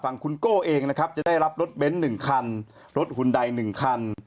คุณโก้เองนะครับจะได้รับรถเบนท์๑คันรถหุ่นใด๑คัน